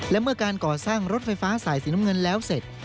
และเมื่อการก่อสร้างรถไฟฟ้าสายสีน้ำเงินแล้วเสร็จ